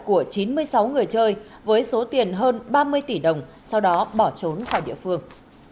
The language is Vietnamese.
của chín mươi sáu người chơi với số tiền hơn ba mươi tỷ đồng sau đó bỏ trốn khỏi địa phương